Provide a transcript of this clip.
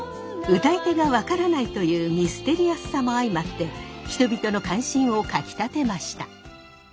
歌い手が分からないというミステリアスさも相まって人々の関心をかきたてました。